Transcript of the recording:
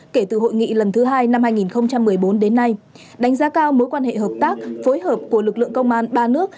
kể từ hội nghị lần thứ hai năm hai nghìn một mươi bốn đến nay đánh giá cao mối quan hệ hợp tác phối hợp của lực lượng công an ba nước